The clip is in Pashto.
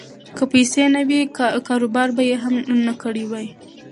که پیسې یې نه وی، کاروبار به یې نه کړی وای.